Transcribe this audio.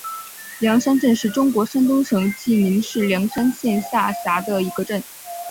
梁山镇是中国山东省济宁市梁山县下辖的一个镇。